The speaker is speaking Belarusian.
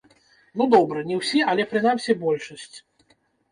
Ну, добра, не ўсе, але, прынамсі, большасць.